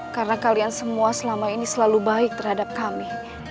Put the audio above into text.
karena kalian semua selama ini selalu baik terhadap kami